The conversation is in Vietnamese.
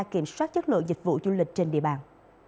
kiểm soát chất lượng dịch vụ du lịch trên địa bàn